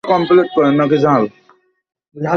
এখন আমি জানি কেন সে তোমার নম্বর নিয়েছে।